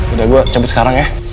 udah gue sampai sekarang ya